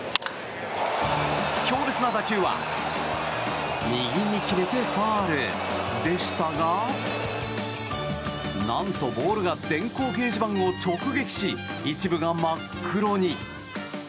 強烈な打球は右に切れてファウルでしたがなんと、ボールが電光掲示板を直撃し一部が真っ黒に。